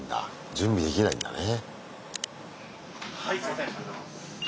準備できないんだね。